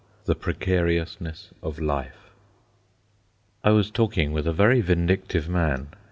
THE PRECARIOUSNESS OF LIFE I was talking with a very vindictive man.